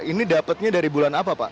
ini dapatnya dari bulan apa pak